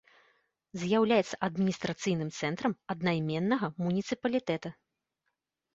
З'яўляецца адміністрацыйным цэнтрам аднайменнага муніцыпалітэта.